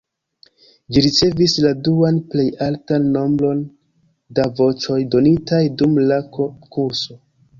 Ĝi ricevis la duan plej altan nombron da voĉoj donitaj dum la konkurso.